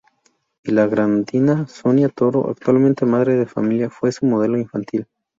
Y la granadina Sonia Toro, actualmente madre de familia, fue su modelo infantil.